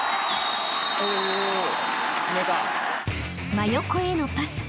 ［真横へのパス］